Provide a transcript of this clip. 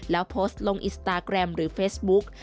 แล้วโพสต์ลงอินสตาแกรมหรือเฟซบุ๊ก